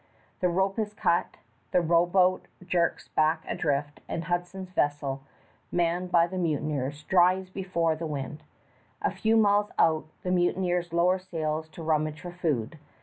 The rope is cut, the rowboat jerks back adrift, and Hudson's vessel, manned by mutineers, drives before the wind. A few miles out, the mutineers lower sails to rummage for food.